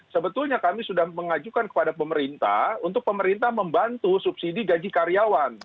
sebetulnya kami sudah mengajukan kepada pemerintah untuk pemerintah membantu subsidi gaji karyawan